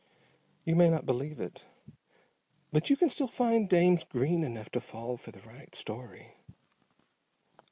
You may not believe it, but you can still find dames green enough to fall for the right story.